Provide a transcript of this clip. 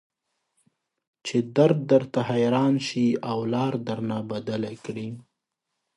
چې درد درته حيران شي او لار درنه بدله کړي.